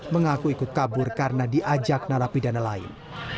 mengaku ikut kabur karena diajak narapidana lain